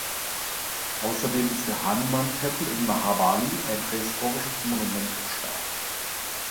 Außerdem ist der Hanuman-Tempel in Mahabali ein prähistorisches Monument im Staat.